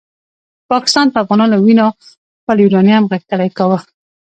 پاکستان په افغانانو وینو خپل یورانیوم غښتلی کاوه.